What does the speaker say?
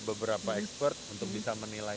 beberapa expert untuk bisa menilai